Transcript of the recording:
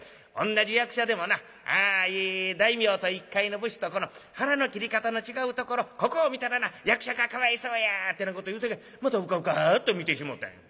同じ役者でもな大名と一介の武士とこの腹の切り方の違うところここを見たらな役者がかわいそうや』ってなこと言うさかいまたうかうかっと見てしもたんや。